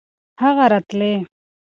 هغه راتلی .